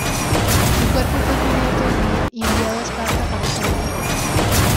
Su cuerpo fue cubierto de miel y enviado a Esparta para ser enterrado.